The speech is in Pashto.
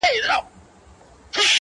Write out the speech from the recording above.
له هنداري څه بېــخاره دى لوېـــدلى؛